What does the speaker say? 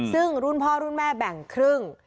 ซึ่งรุ่นพ่อรุ่นแม่แบ่งครึ่ง